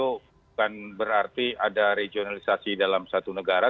itu bukan berarti ada regionalisasi dalam satu negara